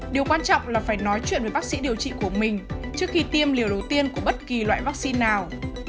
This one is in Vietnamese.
điều quan trọng là phải nói chuyện với bác sĩ điều trị của mình trước khi tiêm liều đầu tiên của bất kỳ loại vaccine nào